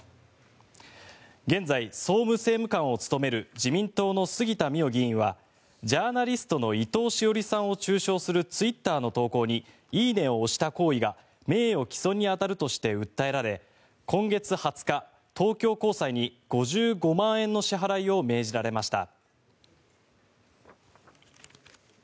現在、総務政務官を務める自民党の杉田水脈議員はジャーナリストの伊藤詩織さんを中傷するツイッターの投稿に「いいね」を押した行為が名誉毀損に当たるとして訴えられ今月２０日、東京高裁に５５万円の支払いを命じられました。